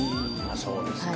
そうですか。